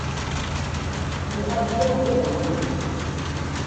Yuɣal Tom d amexlul.